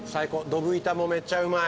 ドブ板もめちゃうまい。